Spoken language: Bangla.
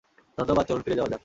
ধন্যবাদ চলুন ফিরে যাওয়া যাক।